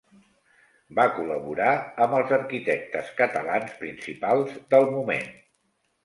Va col·laborar amb els arquitectes catalans principals del moment.